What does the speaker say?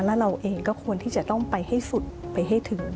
แล้วเราเองก็ควรที่จะต้องไปให้สุดไปให้ถึง